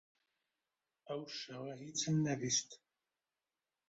ئەو شەوە هیچم نەبیست.